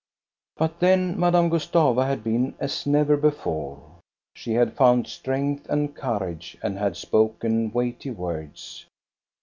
" But then Madame Gustava had been as never before.' She had found strength and courage and had spoken weighty words.